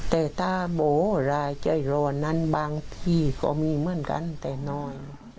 แต่ตาโบรายใจรอนั้นบางที่ก็มีเหมือนกันแต่น้อย